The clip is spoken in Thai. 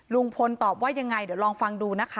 ลุงพลตอบว่ายังไงเดี๋ยวลองฟังดูนะคะ